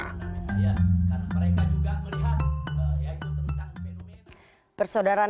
karena mereka juga melihat